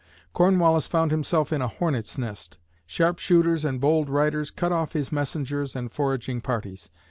Cornwallis found himself in a "hornets' nest." Sharp shooters and bold riders cut off his messengers and foraging parties.